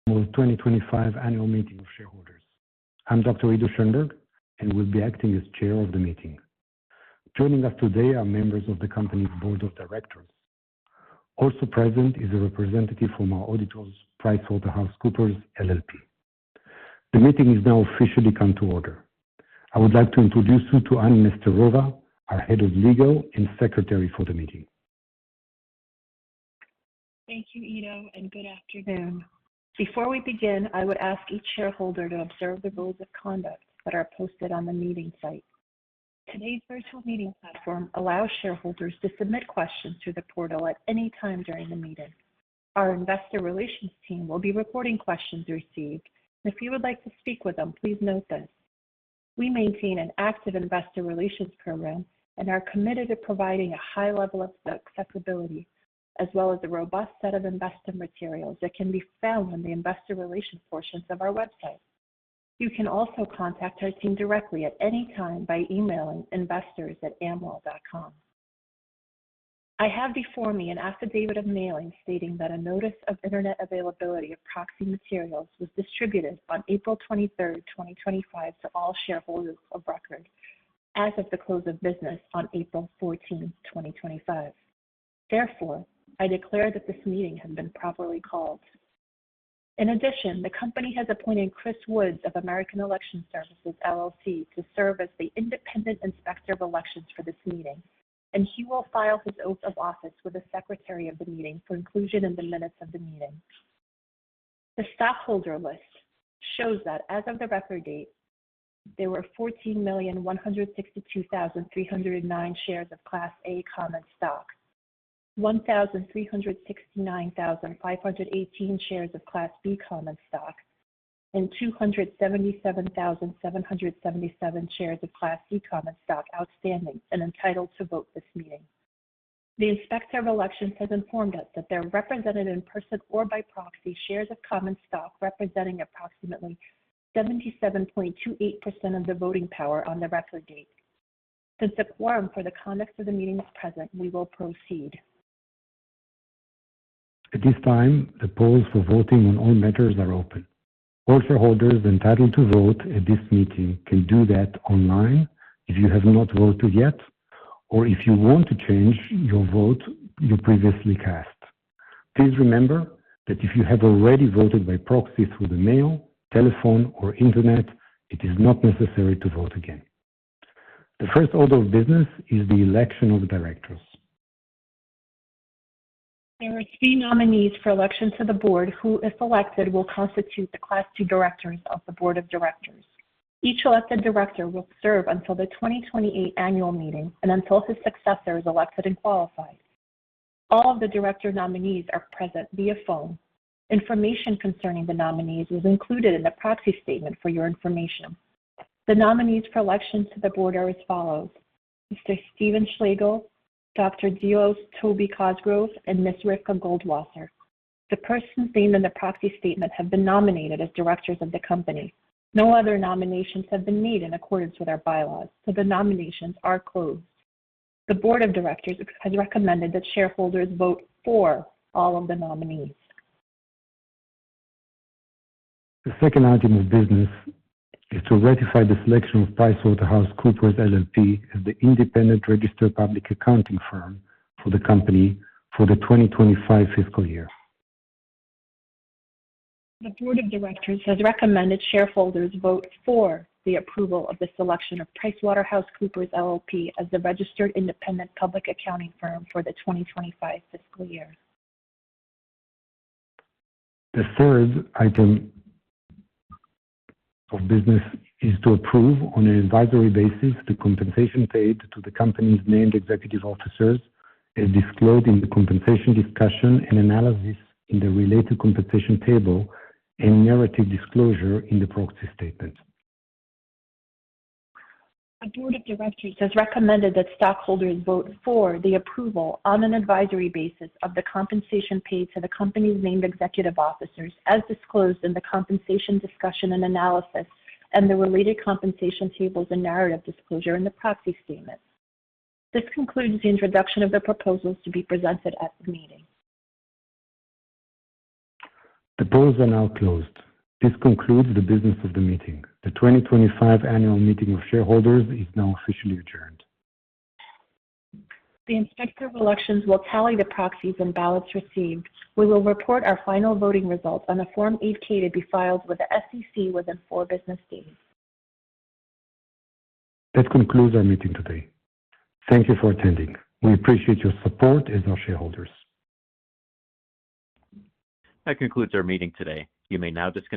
Annual 2025 Annual Meeting of Shareholders. I'm Dr. Ido Schoenberg, and will be acting as Chair of the meeting. Joining us today are members of the company's board of directors. Also present is a representative from our auditors, PricewaterhouseCoopers LLP. The meeting is now officially come to order. I would like to introduce you to Anne Nesterova, our Head of Legal and Secretary for the meeting. Thank you, Ido, and good afternoon. Before we begin, I would ask each shareholder to observe the rules of conduct that are posted on the meeting site. Today's virtual meeting platform allows shareholders to submit questions through the portal at any time during the meeting. Our investor relations team will be recording questions received, and if you would like to speak with them, please note this. We maintain an active investor relations program and are committed to providing a high level of accessibility, as well as a robust set of investor materials that can be found on the investor relations portions of our website. You can also contact our team directly at any time by emailing investors@amwell.com. I have before me an Affidavit of mailing stating that a notice of internet availability of proxy materials was distributed on April 23, 2025, to all shareholders of record as of the close of business on April 14, 2025. Therefore, I declare that this meeting has been properly called. In addition, the company has appointed Chris Woods of American Election Services to serve as the independent inspector of elections for this meeting, and he will file his oath of office with the Secretary of the meeting for inclusion in the minutes of the meeting. The stockholder list shows that as of the record date, there were 14,162,309 shares of Class A common stock, 1,369,518 shares of Class B common stock, and 277,777 shares of Class C common stock outstanding and entitled to vote this meeting. The inspector of elections has informed us that there are represented in person or by proxy shares of common stock representing approximately 77.28% of the voting power on the record date. Since the quorum for the conduct of the meeting is present, we will proceed. At this time, the polls for voting on all matters are open. All shareholders entitled to vote at this meeting can do that online if you have not voted yet or if you want to change your vote you previously cast. Please remember that if you have already voted by proxy through the mail, telephone, or internet, it is not necessary to vote again. The first order of business is the election of directors. There are 3 nominees for election to the board who, if elected, will constitute the Class D directors of the board of directors. Each elected director will serve until the 2028 Annual Meeting and until his successor is elected and qualified. All of the director nominees are present via phone. Information concerning the nominees was included in the proxy statement for your information. The nominees for election to the board are as follows: Mr. Stephen Schlegel, Dr. Delos "Toby" Cosgrove, and Ms. Ricky Goldwasser. The persons named in the proxy statement have been nominated as directors of the company. No other nominations have been made in accordance with our bylaws, so the nominations are closed. The board of directors has recommended that shareholders vote for all of the nominees. The second item of business is to ratify the selection of PricewaterhouseCoopers LLP as the independent registered public accounting firm for the company for the 2025 fiscal year. The board of directors has recommended shareholders vote for the approval of the selection of PricewaterhouseCoopers LLP as the registered independent public accounting firm for the 2025 fiscal year. The third item of business is to approve on an advisory basis the compensation paid to the company's named executive officers as disclosed in the compensation discussion and analysis in the related compensation table and narrative disclosure in the proxy statement. The board of directors has recommended that stockholders vote for the approval on an advisory basis of the compensation paid to the company's named executive officers as disclosed in the compensation discussion and analysis and the related compensation tables and narrative disclosure in the proxy statement. This concludes the introduction of the proposals to be presented at the meeting. The polls are now closed. This concludes the business of the meeting. The 2025 Annual Meeting of Shareholders is now officially adjourned. The inspector of elections will tally the proxies and ballots received. We will report our final voting results on a Form 8-K to be filed with the SEC within 4 business days. That concludes our meeting today. Thank you for attending. We appreciate your support as our shareholders. That concludes our meeting today. You may now disconnect.